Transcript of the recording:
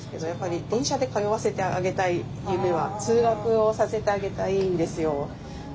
やっぱり電車で通わせてあげたい夢は通学をさせてあげたいんですよ。